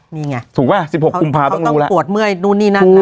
นี่ไงถูกไหม๑๖อุมพาต้องรู้ละเขาต้องปวดเมื่อยนู่นนี่นั่น